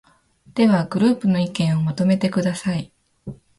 では、グループの意見をまとめてください。